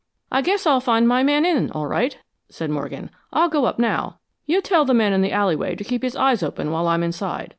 "I guess I'll find my man in, all right," said Morgan. "I'll go up now. You tell the man in the alleyway to keep his eyes open while I'm inside.